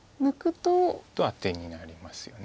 とアテになりますよね。